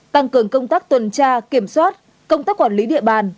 tăng cường công tác tuần tra kiểm soát công tác quản lý địa bàn